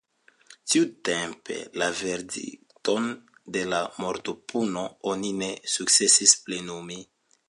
Tiutempe la verdikton de mortpuno oni ne sukcesis plenumi.